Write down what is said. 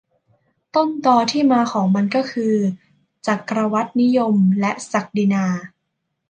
ต้นตอที่มาของมันก็คือ จักรวรรดินิยม และศักดินา